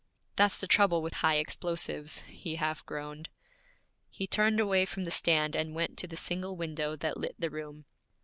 'That's the trouble with high explosives,' he half groaned. He turned away from the stand and went to the single window that lit the room.